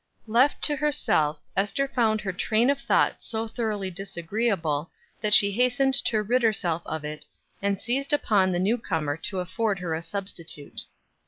Left to herself, Ester found her train of thought so thoroughly disagreeable that she hastened to rid herself of it, and seized upon the new comer to afford her a substitute.